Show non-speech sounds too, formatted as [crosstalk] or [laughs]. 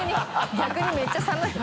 逆にめっちゃ寒い [laughs]